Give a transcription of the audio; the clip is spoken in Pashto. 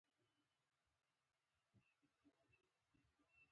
دوی اوبه او هوا ساتي.